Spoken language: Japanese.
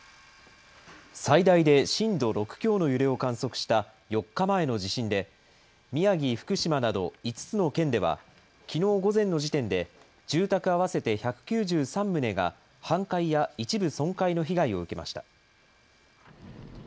最大で震度６強の揺れを観測した４日前の地震で、宮城、福島など５つの県では、きのう午前の時点で、住宅合わせて１９３棟が、半壊や一部損壊の被害を受けました。